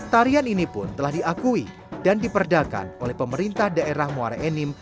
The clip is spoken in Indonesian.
tarian ini pun telah diakui dan diperdakan oleh pemerintah daerah muara enim